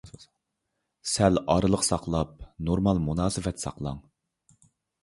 سەل ئارىلىق ساقلاپ، نورمال مۇناسىۋەت ساقلاڭ.